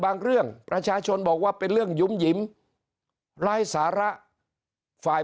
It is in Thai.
เรื่องประชาชนบอกว่าเป็นเรื่องหยุ่มหยิมไร้สาระฝ่าย